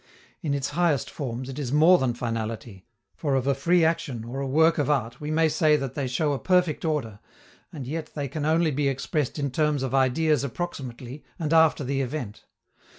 In its highest forms, it is more than finality, for of a free action or a work of art we may say that they show a perfect order, and yet they can only be expressed in terms of ideas approximately, and after the event.